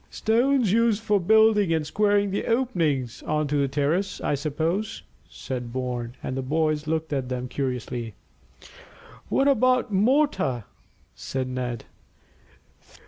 "Stones used for building and squaring the openings on to the terrace, I suppose," said Bourne, and the boys looked at them curiously. "What about mortar?" said Ned.